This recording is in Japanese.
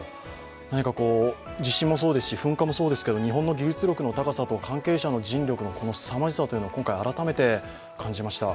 何か地震もそうですし噴火もそうですけど日本の技術力の高さと関係者の尽力のすさまじさを今回改めて感じました。